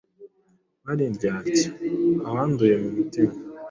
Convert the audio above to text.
bari indyarya, abanduye mu mutima